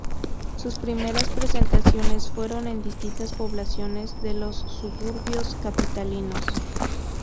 Sus primeras presentaciones fueron en distintas poblaciones de los suburbios capitalinos.